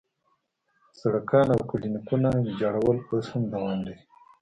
سړکونه او کلینیکونه ویجاړول اوس هم دوام لري.